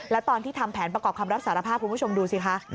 แล้วตอนที่ทำแผนประกอบคำรับสารภาพคุณผู้ชมดูสิคะ